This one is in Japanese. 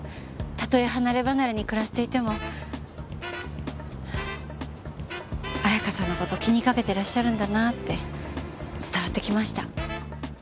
たとえ離ればなれに暮らしていても彩華さんの事気にかけてらっしゃるんだなって伝わってきました。